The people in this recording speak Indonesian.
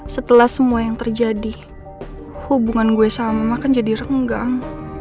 setelah semua yang terjadi hubungan gue sama makan jadi renggang